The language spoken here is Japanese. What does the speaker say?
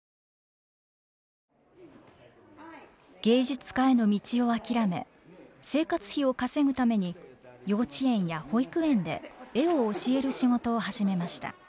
芸術家への道を諦め生活費を稼ぐために幼稚園や保育園で絵を教える仕事を始めました。